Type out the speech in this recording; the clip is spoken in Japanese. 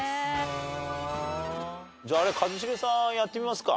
じゃああれ一茂さんやってみますか。